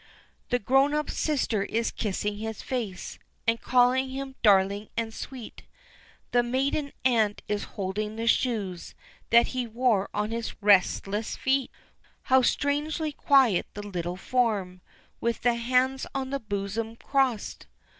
The grown up sister is kissing his face, And calling him "darling" and "sweet," The maiden aunt is holding the shoes That he wore on his restless feet. How strangely quiet the little form, With the hands on the bosom crossed!